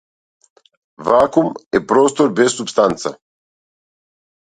Вакуум е простор без супстанца.